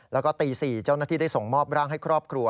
แล้วก็ตี๔เจ้าหน้าที่ได้ส่งมอบร่างให้ครอบครัว